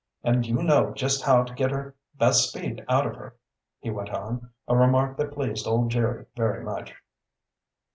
And you know just how to get her best speed out of her," he went on, a remark that pleased old Jerry very much.